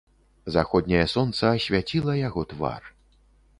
Заходняе сонца асвяціла яго твар.